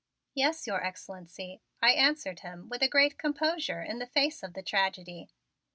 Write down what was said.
"Yes, Your Excellency," I answered him with a great composure in the face of the tragedy.